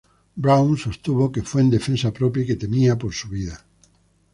Brown sostuvo que fue en defensa propia y que temía por su vida.